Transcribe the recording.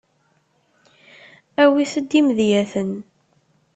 Awit-d imedyaten.